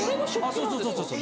そうそうそうそうそう。